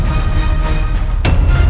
apakah ibu masih mencintai ayah